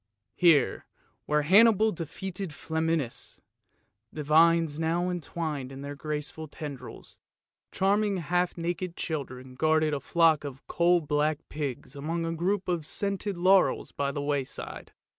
Here, where Hannibal defeated Flaminius, the vines now entwined their graceful tendrils; charming half naked children guarded a flock of coal black pigs among a group THE GOLOSHES OF FORTUNE 331 of scented laurels by the wayside.